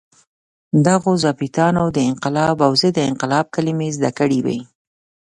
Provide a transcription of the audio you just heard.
دغو ظابیطانو د انقلاب او ضد انقلاب کلمې زده کړې وې.